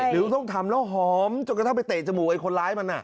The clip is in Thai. หรือต้องทำแล้วหอมจนกระทั่งไปเตะจมูกไอ้คนร้ายมัน